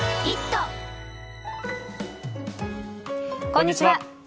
こんにちは。